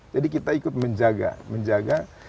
jadi kita ikut menjaga